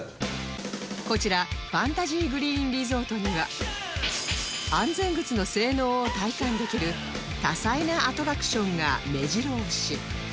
こちらファンタジーグリーンリゾートには安全靴の性能を体感できる多彩なアトラクションがめじろ押し